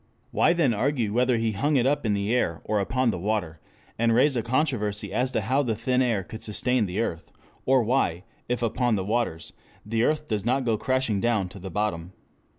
Why then argue whether He hung it up in air or upon the water, and raise a controversy as to how the thin air could sustain the earth; or why, if upon the waters, the earth does not go crashing down to the bottom?...